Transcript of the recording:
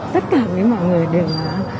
tất cả mọi người đều là